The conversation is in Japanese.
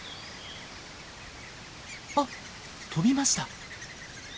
あっ飛びました。